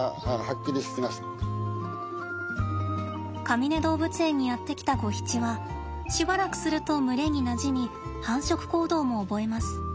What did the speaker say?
かみね動物園にやって来たゴヒチはしばらくすると群れになじみ繁殖行動も覚えます。